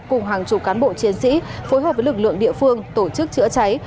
cùng hàng chục cán bộ chiến sĩ phối hợp với lực lượng địa phương tổ chức chữa cháy